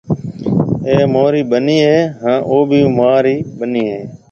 اَي مهاري ٻنَي هيَ هانَ او بي مهاري ٻنَي هيَ۔